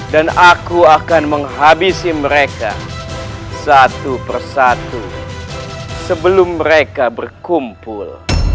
dan aku akan menghabisi mereka satu persatu sebelum mereka berkumpul